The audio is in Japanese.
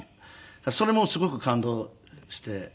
それもすごく感動して。